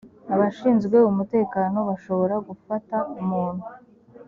abashinzwe umutekano bashobora gufata umuntu